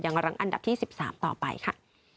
อย่างหลังอันดับที่๑๓ต่อไปค่ะ